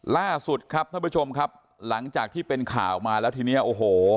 ล่าสุดครับท่านผู้ชมครับหลังจากที่เป็นข่าวมาแล้วทีนี้โอ้โห